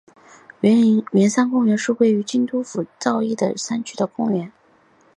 圆山公园是位在京都府京都市东山区的公园。